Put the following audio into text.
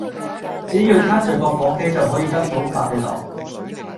只要撻著個火機就可以得到快樂